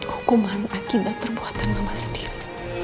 hukuman akibat perbuatan mama sendiri